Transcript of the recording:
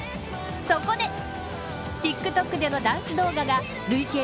そこでＴｉｋＴｏｋでのダンス動画が累計